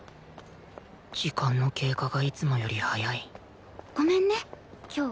時間の経過がいつもより早いごめんね今日。